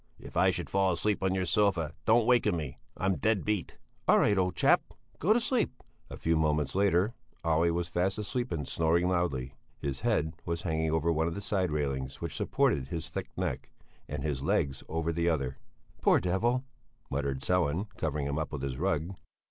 "If I should fall asleep on your sofa, don't waken me; I'm dead beat." "All right, old chap! Go to sleep!" A few moments later Olle was fast asleep and snoring loudly. His head was hanging over one of the side railings which supported his thick neck, and his legs over the other. "Poor devil!" muttered Sellén, covering him up with his rug.